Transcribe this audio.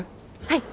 はい！